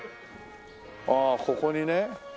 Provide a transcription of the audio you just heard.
ああここにね。